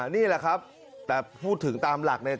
นี่แหละครับแต่พูดถึงตามหลักเนี่ย